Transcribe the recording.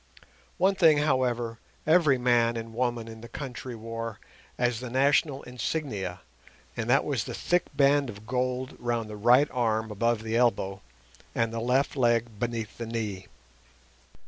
One thing, however, every man and woman in the country wore as the national insignia, and that was the thick band of gold round the right arm above the elbow, and the left leg beneath the knee.